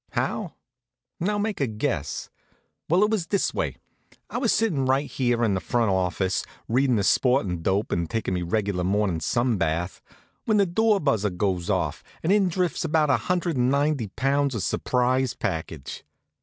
How? Now make a guess. Well, it was this way: I was sittin' right here in the front office, readin' the sportin' dope and takin' me reg'lar mornin' sunbath, when the door buzzer goes off, and in drifts about a hundred and ninety pounds of surprise package.